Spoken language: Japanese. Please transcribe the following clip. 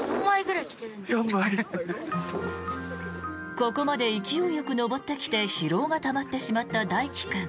ここまで勢いよく登ってきて疲労がたまってしまった大輝君。